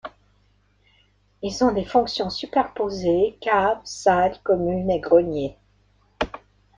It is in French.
Ils ont des fonctions superposées, cave, salle commune et grenier.